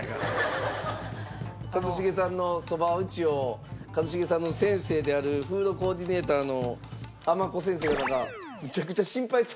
一茂さんのそば打ちを一茂さんの先生であるフードコーディネーターのあまこ先生が。